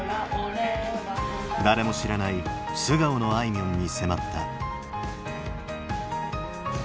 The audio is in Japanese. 誰も知らない素顔のあいみょんに迫った。